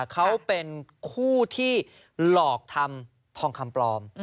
เขาเป็นคู่ที่หลอกทำทองคำปลอม